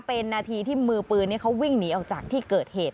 เป็นนาทีที่มือปืนเขาวิ่งหนีออกจากที่เกิดเหตุ